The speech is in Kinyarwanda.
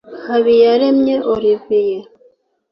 Habiyaremye Olivier